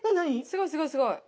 すごいすごいすごい。